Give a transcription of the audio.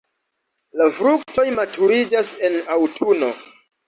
La fruktoj maturiĝas en aŭtuno.